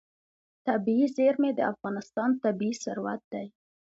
طبیعي زیرمې د افغانستان طبعي ثروت دی.